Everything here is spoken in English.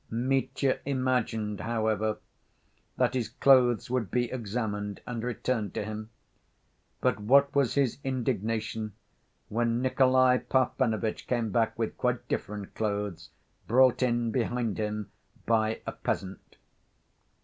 Mitya imagined, however, that his clothes would be examined and returned to him. But what was his indignation when Nikolay Parfenovitch came back with quite different clothes, brought in behind him by a peasant.